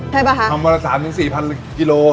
ใช่ป่ะคะทำวันละ๓๔๐๐กิโล